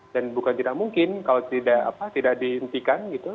dan bukan tidak mungkin kalau tidak dihentikan gitu